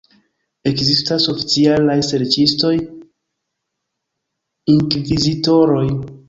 Ekzistas oficialaj serĉistoj, inkvizitoroj.